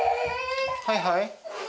はいはい。